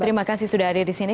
terima kasih sudah hadir di sini